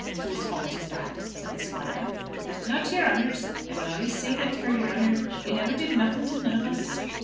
"Whose fault is that?" said the squire. "Not yer honour's. I will allys say that for your honour. You never did nothing to none of us."